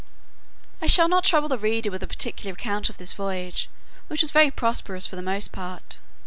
I shall not trouble the reader with a particular account of this voyage, which was very prosperous for the most part.